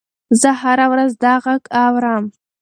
زه هره ورځ دا غږ اورم.